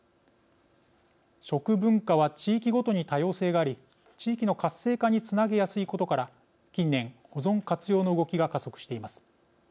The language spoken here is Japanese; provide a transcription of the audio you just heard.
食文化は地域ごとに多様性があり地域の活性化につなげやすいことから近年、保存活用の動きが加速しています。